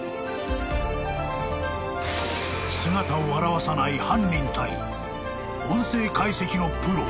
［姿を現さない犯人対音声解析のプロ］